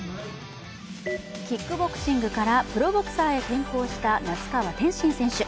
キックボクシングからプロボクサーへ転向した那須川天心選手。